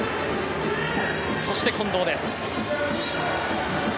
そして近藤です。